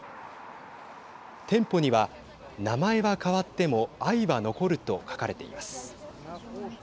店舗には名前は変わっても愛は残ると書かれています。